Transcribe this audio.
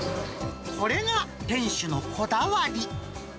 これが店主のこだわり。